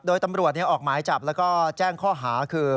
โดยตำรวจออกหมายจับแล้วก็แจ้งข้อหาคือ